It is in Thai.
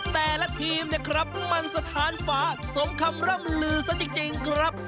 แต่ละทีมเนี่ยครับมันสถานฝาสมคำร่ำลือซะจริงครับ